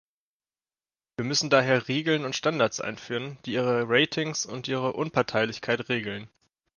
Wir müssen daher Regeln und Standards einführen, die ihre Ratings und ihre Unparteilichkeit regeln.